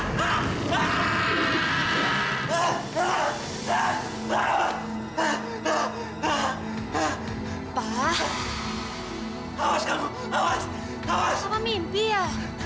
sampai jumpa di video selanjutnya